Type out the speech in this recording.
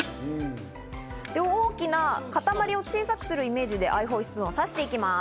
大きな塊を小さくするイメージでアイホイスプーンを刺していきます。